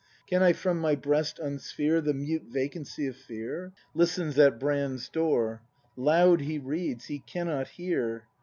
Can I from my breast unsphere The mute vacancy of fear? — [Listens at Brand's door.] Loud he read's, he cannot hear.